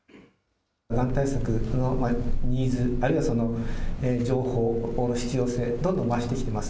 がん対策のニーズ、あるいはその情報の必要性、どんどん増してきてます。